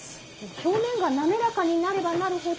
表面が滑らかになればなるほど。